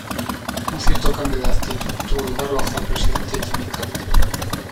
Un cierto cambio de actitud tuvo lugar bajo el presidente Jimmy Carter.